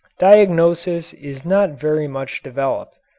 Diagnosis is not very much developed.